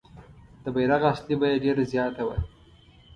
د بیرغ اصلي بیه ډېره زیاته وه.